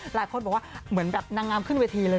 หลายคนบอกว่าเหมือนแบบนางงามขึ้นเวทีเลย